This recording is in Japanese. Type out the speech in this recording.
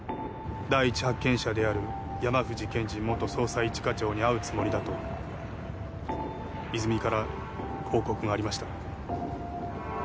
第一発見者である山藤憲治元捜査一課長に会うつもりだと泉から報告がありました